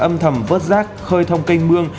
âm thầm vớt rác khơi thông kênh mương